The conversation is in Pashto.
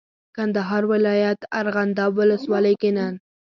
کندهار ولایت ارغنداب ولسوالۍ کې نن